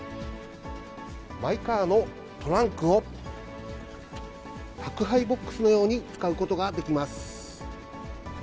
マイカーのトランクを宅配ボックスのように使うことができます。